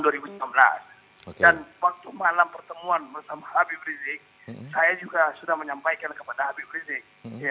dan waktu malam pertemuan bersama habib rizik saya juga sudah menyampaikan kepada habib rizik